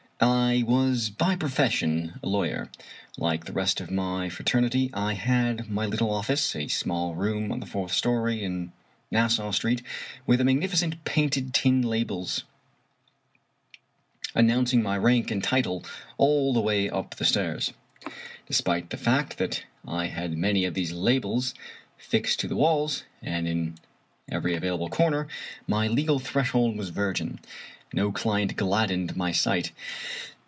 I was by profession a lawyer. Like the rest of my fra ternity I had my little office, a small room on the fourth story in Nassau Street, with magnificent painted tin labels announcing my rank and title all the way up the stairs. 25 Irish Mystery Stories Despite the fact that I had many of these labels fixed to the walls, and in every available comer, my legal thresh old was virgin. No client gladdened my sight.